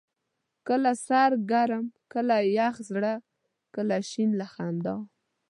کله سر ګرم ، کله يخ زړه، کله شين له خندا